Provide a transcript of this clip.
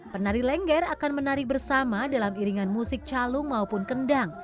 penari lengger akan menarik bersama dalam iringan musik calung maupun kendang